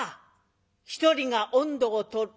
１人が音頭を取る。